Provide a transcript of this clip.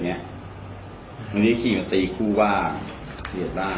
อันนี้ขี่มาตีคู่ว่าเบียดบ้าน